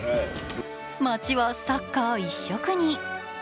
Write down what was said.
街はサッカー一色に。